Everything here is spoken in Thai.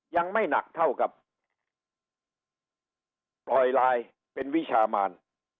ยังไม่หนักเท่ากับปล่อยลายเป็นวิชามาน